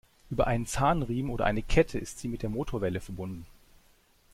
Über einen Zahnriemen oder eine Kette ist sie mit der Motorwelle verbunden.